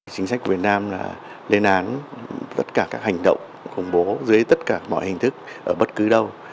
chính sách của việt nam là lên án tất cả các hành động khủng bố dưới tất cả mọi hình thức ở bất cứ đâu